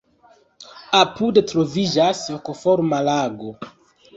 Apude troviĝas hokoforma lago.